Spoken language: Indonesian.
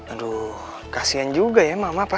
aduh kasihan juga ya mama pak